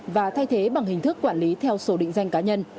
và thay thế bằng hình thức quản lý theo số định danh cá nhân